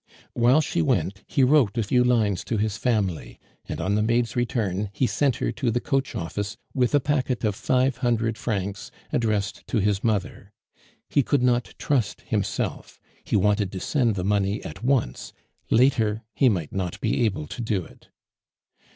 While she went he wrote a few lines to his family, and on the maid's return he sent her to the coach office with a packet of five hundred francs addressed to his mother. He could not trust himself; he wanted to sent the money at once; later he might not be able to do it.